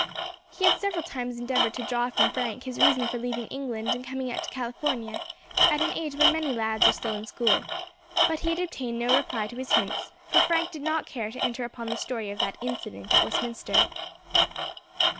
He had several times endeavoured to draw from Frank his reason for leaving England and coming out to California at an age when many lads are still at school; but he had obtained no reply to his hints, for Frank did not care to enter upon the story of that incident at Westminster.